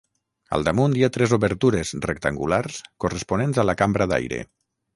Al damunt hi ha tres obertures rectangulars corresponents a la cambra d'aire.